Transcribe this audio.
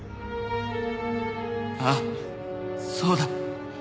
ああそうだ。